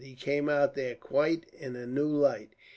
"He came out there quite in a new light.